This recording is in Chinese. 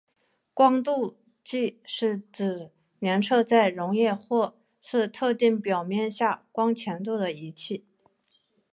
光度计是指量测在溶液或是特定表面下光强度的仪器。